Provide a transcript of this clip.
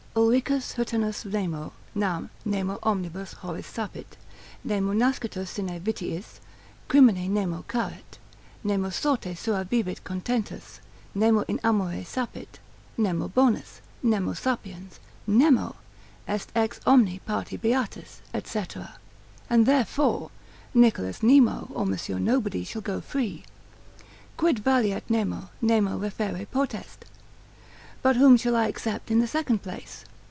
Ulricus Huttenus nemo, nam, nemo omnibus horis sapit, Nemo nascitur sine vitiis, Crimine Nemo caret, Nemo sorte sua vivit contentus, Nemo in amore sapit, Nemo bonus, Nemo sapiens, Nemo, est ex omni parti beatus, &c. and therefore Nicholas Nemo, or Monsieur Nobody shall go free, Quid valeat nemo, Nemo referre potest? But whom shall I except in the second place?